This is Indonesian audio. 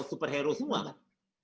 superhero semua kan